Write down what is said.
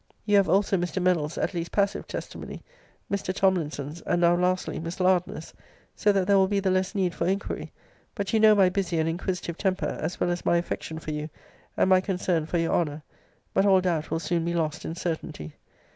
* You have [also Mr. Mennell's at least passive testimony; Mr.] Tomlinson's; [and now, lastly, Miss Lardner's; so that there will be the less need for inquiry: but you know my busy and inquisitive temper, as well as my affection for you, and my concern for your honour. But all doubt will soon be lost in certainty.